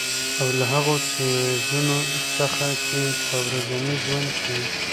او له هـغو څـيزونه څـخـه چـې په ورځـني ژونـد کـې